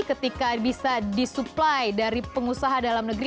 ketika bisa disuplai dari pengusaha dalam negeri